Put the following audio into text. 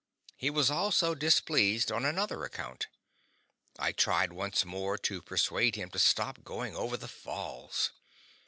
He was also displeased on another account: I tried once more to persuade him to stop going over the Falls.